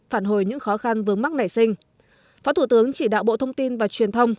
phản hồi những khó khăn vướng mắc nảy sinh phó thủ tướng chỉ đạo bộ thông tin và truyền thông